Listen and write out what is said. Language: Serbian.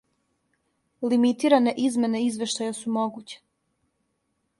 Лимитиране измене извештаја су могуће.